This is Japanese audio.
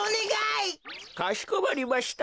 かしこまりました。